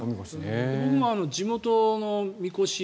僕も地元のみこし